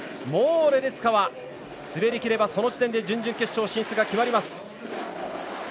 もうレデツカは滑りきればその時点で準々決勝進出が決まります。